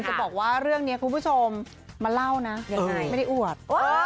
จะบอกว่าเรื่องนี้คุณผู้ชมมาเล่านะยังไงไม่ได้อวด